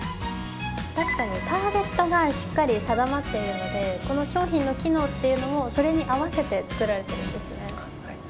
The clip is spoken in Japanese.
確かにターゲットがしっかり定まっているのでこの商品の機能というのも、それに合わせて作られているんですね。